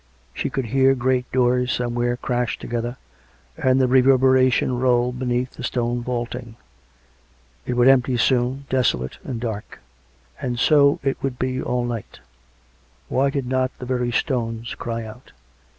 She could hear great doors somewhere crash together, and the reverberation roll beneath the stone vaulting. It would 176 COME RACK! COME ROPE! empty soon, desolate and dark; and so it would be all night. ,.. Why did not the very stones cry out?